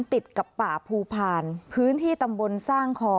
ติดกับป่าภูพาลพื้นที่ตำบลสร้างคอ